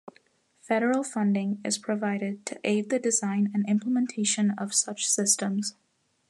Federal funding is provided to aid the design and implementation of such systems.